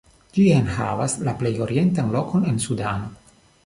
Ĝi enhavas la plej orientan lokon en Sudano.